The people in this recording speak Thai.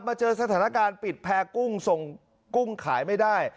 เจอสถานการณ์ปิดแพร่กุ้งส่งกุ้งขายไม่ได้